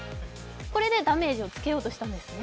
これでダメージをつけようとしたんですね。